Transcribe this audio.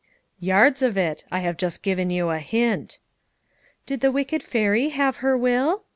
"Yards of it; I have just given you a hint." "Did the wicked fairy have her will?"